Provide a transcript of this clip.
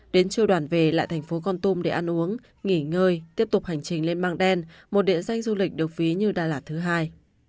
đến chiều đoàn về lại tp con tùm để ăn uống nghỉ ngơi tiếp tục hành trình lên măng đen một địa danh du lịch được ví như đà lạt thứ hai